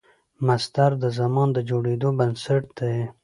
مصدر د زمان د جوړېدو بنسټ دئ.